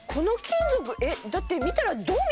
⁉だって見たら。